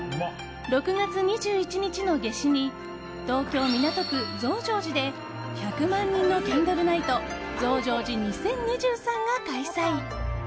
６月２１日の夏至に東京・港区、増上寺で１００万人のキャンドルナイト＠増上寺２０２３が開催。